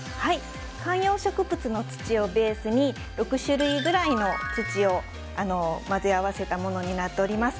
観葉植物の土をベースに６種類ぐらいの土を混ぜ合わせたものになっております。